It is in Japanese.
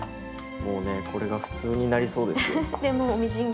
もうねこれが普通になりそうですよ。